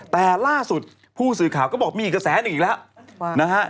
แต่ล่าสุดผู้สื่อข่าวก็บอกมีอีกกระแสหนึ่งอีกแล้วนะฮะ